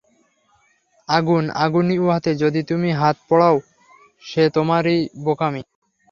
আগুন আগুনই, উহাতে যদি তুমি হাত পোড়াও, সে তোমারই বোকামি।